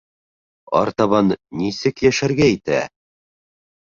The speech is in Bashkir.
Артабан нисек йәшәргә итә?